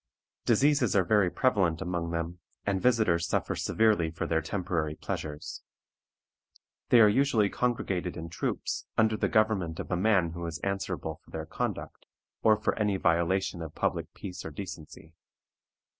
Diseases are very prevalent among them, and visitors suffer severely for their temporary pleasures. They are usually congregated in troops, under the government of a man who is answerable for their conduct, or for any violation of public peace or decency.